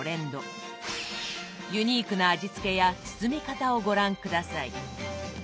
ユニークな味つけや包み方をご覧下さい。